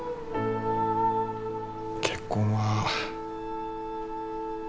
結婚は。